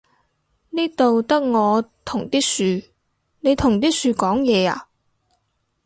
呢度得我同啲樹，你同啲樹講嘢呀？